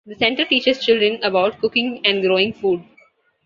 The center teaches children about cooking and growing food.